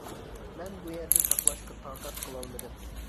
مەن بۇ يەردە ساقلاشقا تاقەت قىلالمىدىم.